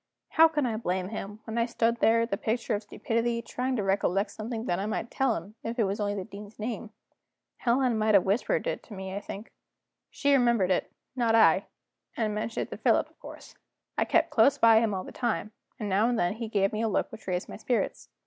How can I blame him, when I stood there the picture of stupidity, trying to recollect something that I might tell him, if it was only the Dean's name? Helena might have whispered it to me, I think. She remembered it, not I and mentioned it to Philip, of course. I kept close by him all the time, and now and then he gave me a look which raised my spirits.